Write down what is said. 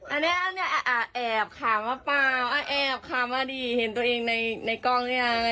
อันนี้อันนี้แอบขามาเปล่าแอบขามาดีเห็นตัวเองในกล้องนี้ยัง